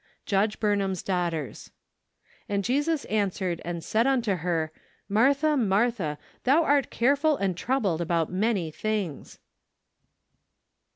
Judge Burnham's Daughters. " And Jesus answered and said unto her , Martha, Martha, thou art careful and troubled about many things."